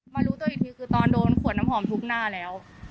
รู้ตัวอีกทีคือตอนโดนขวดน้ำหอมทุบหน้าแล้ว